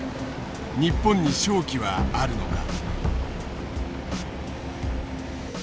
日本に勝機はあるのか。